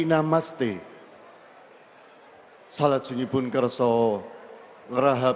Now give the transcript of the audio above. mematikan yang suasana